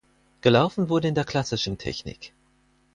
Gelaufen wurde in der Klassischen Technik.